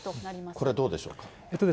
これどうでしょうか。